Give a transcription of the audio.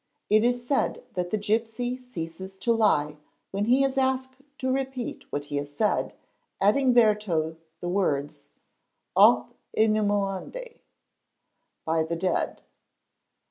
It is said that the — gipsy ceases to lie when he is asked to repeat what he has said, adding thereto the words '"'op 7 mulende"' (by the dead).